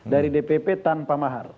dari dpp tanpa mahar